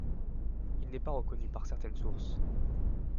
Il n'est pas reconnu par certaines sources.